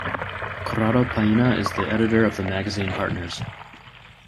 Corrado Paina is the editor of the magazine partners.